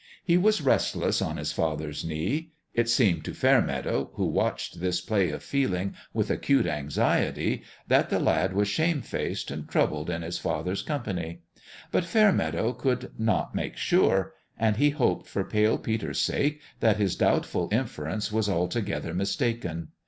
He was restless on his father's knee. It seemed to Fair meadow, who watched this play of feeling with acute anxiety, that the lad was shamefaced and troubled in his father's company. But Fair meadow could not make sure ; and he hoped, for Pale Peter's sake, that his doubtful inference was altogether mistaken.